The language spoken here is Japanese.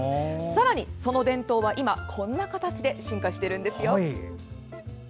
さらに、その伝統は今、こんな形で進化しているんですよ！